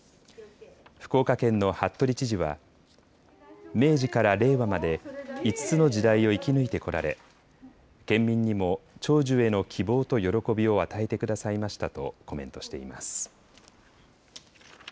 福岡県の服部知事は明治から令和まで５つの時代を生き抜いてこられ県民にも長寿への希望と喜びを与えてくださいましたとコメントしています。